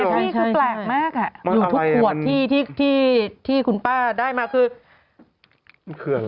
ทุกขวดที่คุณป้าได้มาคือ